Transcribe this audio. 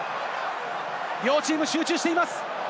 両チームとも集中してます。